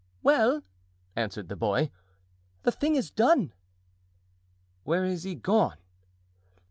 "Well!" answered the boy, "the thing is done." "Where is he gone?"